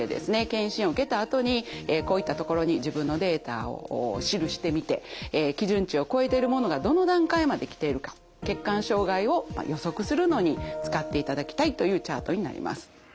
健診を受けたあとにこういったところに自分のデータを記してみて基準値を超えてるものがどの段階まで来ているか血管障害を予測するのに使っていただきたいというチャートになります。